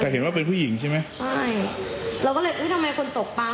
แต่เห็นว่าเป็นผู้หญิงใช่ไหมใช่เราก็เลยอุ้ยทำไมคนตกปลา